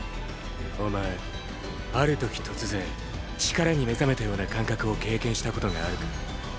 お前ある時突然力に目覚めたような感覚を経験したことがあるか？